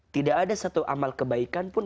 tidak ada satu amal kebaikan pun